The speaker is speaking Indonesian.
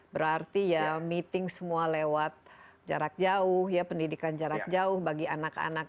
berarti ya meeting semua lewat jarak jauh ya pendidikan jarak jauh bagi anak anak